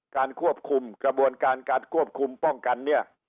การควบคุมกระบวนการการควบคุมป้องกันเนี่ย